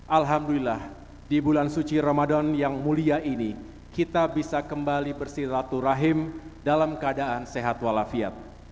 alhamdulillah di bulan suci ramadan yang mulia ini kita bisa kembali bersilaturahim dalam keadaan sehat walafiat